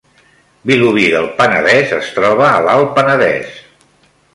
Vilobí del Penedès es troba a l’Alt Penedès